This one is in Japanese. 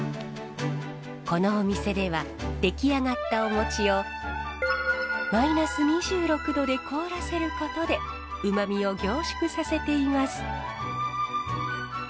このお店では出来上がったおをマイナス２６度で凍らせることでうまみを凝縮させています。